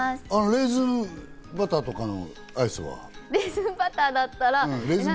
レーズンバターとかのアイスレーズンバターだったら。